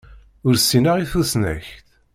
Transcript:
Ur ssineɣ i tusnakt.